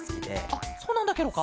あっそうなんだケロか？